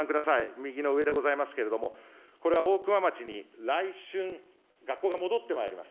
右の上でございますけれども、これは大熊町に来春、学校が戻ってまいります。